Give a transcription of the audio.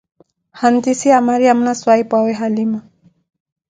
Handice ya Mariamo na swahiphuʼawe halima